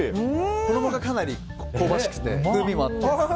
衣がかなり香ばしくて風味があって。